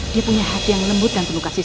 dia punya hati yang lembut dan penuh kasih